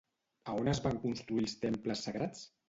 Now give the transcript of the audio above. A on es van construir els temples sagrats?